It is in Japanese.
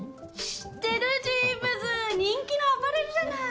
知ってるジーヴズ人気のアパレルじゃない。